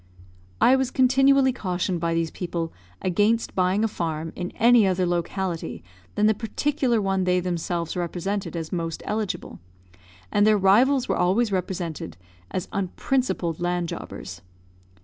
I was continually cautioned by these people against buying a farm in any other locality than the particular one they themselves represented as most eligible, and their rivals were always represented as unprincipled land jobbers.